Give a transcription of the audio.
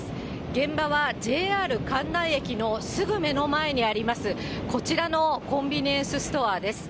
現場はＪＲ関内駅のすぐ目の前にあります、こちらのコンビニエンスストアです。